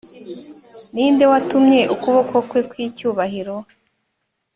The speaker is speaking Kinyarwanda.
ni nde watumye ukuboko kwe kw icyubahiro